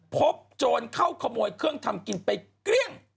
โจรเข้าขโมยเครื่องทำกินไปเกลี้ยง